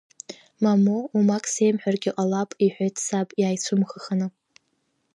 Мамоу, уамак сеимҳәаргьы ҟалап, — иҳәеит саб, иааицәымӷханы.